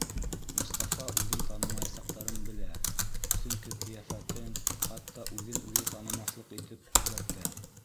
Мостафа үҙен танымаясаҡтарын белә, сөнки ҡиәфәтен хатта үҙен үҙе танымаҫлыҡ итеп үҙгәртә.